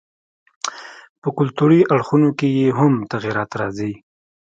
په کلتوري اړخونو کښي ئې هم تغيرات راځي.